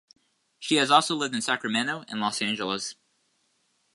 She has also lived in Sacramento and Los Angeles.